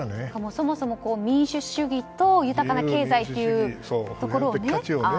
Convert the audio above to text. そもそも、民主主義と豊かな経済というところでね。